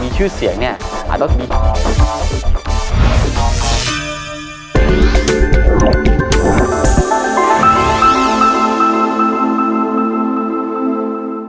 มีหน้าที่ท้องช่วยเธอบรรเทายามเหงาอ่อนแทน